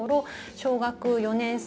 小学４年生